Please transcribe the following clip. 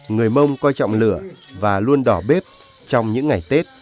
người mông coi trọng lửa và luôn đỏ bếp trong những ngày tết